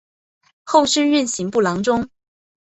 后升任刑部郎中。